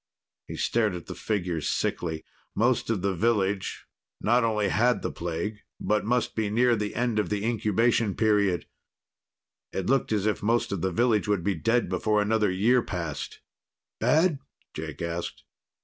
He stared at the figures sickly. Most of the village not only had the plague but must be near the end of the incubation period. It looked as if most of the village would be dead before another year passed. "Bad?" Jake asked.